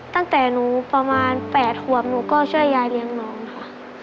ตั้งแต่หนูประมาณ๘ขวบหนูก็ช่วยยายเลี้ยงน้องค่ะ